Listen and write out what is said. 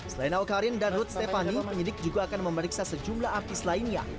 selain awkarin dan ruth stepani penyidik juga akan memeriksa sejumlah artis lainnya